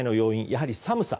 やはり寒さ。